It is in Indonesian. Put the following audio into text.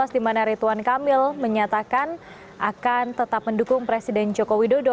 dimana ridwan kamil menyatakan akan tetap mendukung presiden jokowi dodo